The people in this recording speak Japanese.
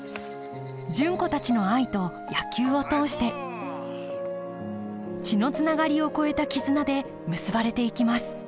純子たちの愛と野球を通して血のつながりを超えた絆で結ばれていきます